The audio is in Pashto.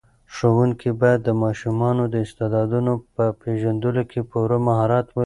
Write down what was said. ښوونکي باید د ماشومانو د استعدادونو په پېژندلو کې پوره مهارت ولري.